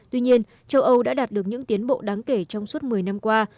tuy nhiên châu âu đã đạt được những tiến bộ đáng kể trong suốt một mươi năm qua